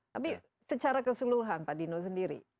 tapi secara keseluruhan pak dino sendiri